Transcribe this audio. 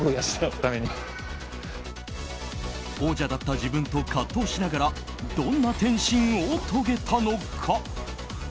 王者だった自分と葛藤しながらどんな転身を遂げたのか。